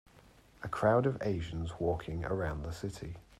A crowd of asians walking around the city.